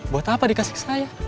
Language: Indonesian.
buat apa dikasih ke saya